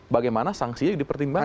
bagaimana sanksinya dipertimbangkan